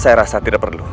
saya merasa tidak perlu